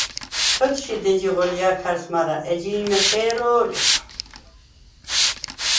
ჩ’ოთშიდ ეჯი ღოლჲა̄ქარს, მარა ეჯი იმ ეხე̄რო̄ლიხ?